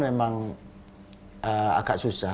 memang agak susah